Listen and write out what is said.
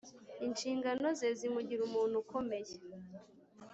Inshingano ze zimugira umuntu ukomeye.